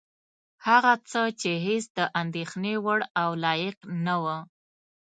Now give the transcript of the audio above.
هغه څه چې هېڅ د اندېښنې وړ او لایق نه وه.